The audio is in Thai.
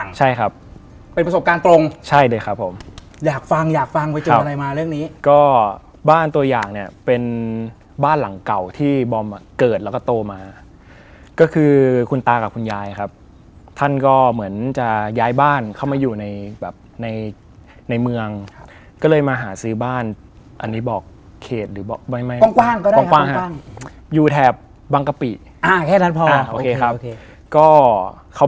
น้องบอมนี่เป็นพระเอกในละครผีกะ